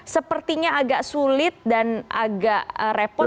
sepertinya agak sulit dan agak repot